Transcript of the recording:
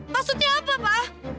maksudnya apa pa